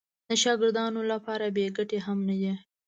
د شاګردانو لپاره بې ګټې هم نه دي.